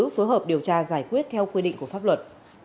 phối hợp điều tra giải quyết theo quy định của pháp luật